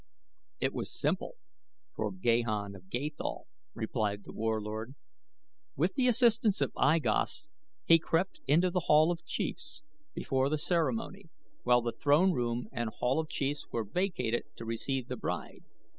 "It was simple for Gahan of Gathol," replied The Warlord. "With the assistance of I Gos he crept into The Hall of Chiefs before the ceremony, while the throne room and Hall of Chiefs were vacated to receive the bride.